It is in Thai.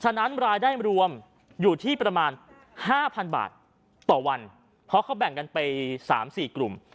ฉะนั้นรายได้รวมอยู่ที่ประมาณห้าพันบาทต่อวันเพราะเขาแบ่งกันไปสามสี่กลุ่ม